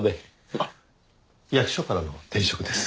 役所からの転職です。